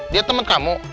dia teman kamu